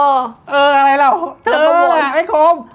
เอออะไรเหรอไม่คม